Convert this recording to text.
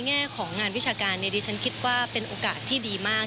แง่ของงานวิชาการดิฉันคิดว่าเป็นโอกาสที่ดีมาก